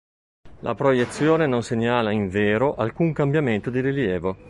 La proiezione non segnala invero alcun cambiamento di rilievo.